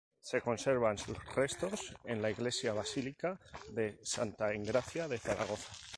Se conservan sus restos en la iglesia basílica de Santa Engracia de Zaragoza.